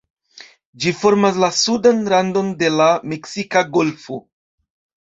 Ĝi formas la sudan randon de la Meksika Golfo.